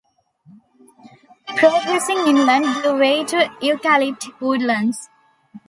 Progressing inland give way to eucalypt woodlands.